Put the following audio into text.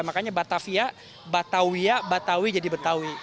makanya batavia batawia batawi jadi betawi